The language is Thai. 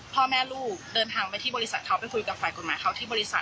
พ่อแม่ลูกเดินทางไปที่บริษัทเขาไปคุยกับฝ่ายกฎหมายเขาที่บริษัท